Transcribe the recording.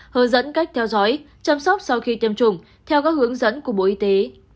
hướng dẫn cách theo dõi chăm sóc sau khi tiêm chủng theo các hướng dẫn của bộ y tế